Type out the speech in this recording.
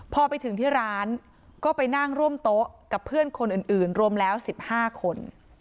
พอไปถึงที่ร้านก็ไปนั่งร่วมโต๊ะกับเพื่อนคนอื่นรวมแล้ว๑๕คน